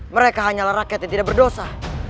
mereka hanyalah rakyat yang tidak berdosa